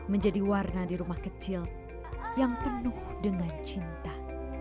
menjadi warna di rumah kecil yang penuh dengan cinta